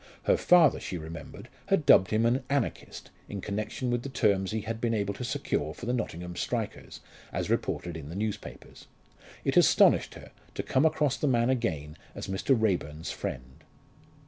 Her father, she remembered, had dubbed him an "Anarchist" in connection with the terms he had been able to secure for the Nottingham strikers, as reported in the newspapers. It astonished her to come across the man again as Mr. Raeburn's friend.